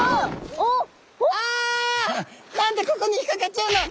何でここに引っかかっちゃうの！？